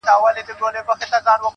خاونده خدايه ستا د نور له دې جماله وځم,